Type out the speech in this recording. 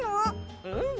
うん。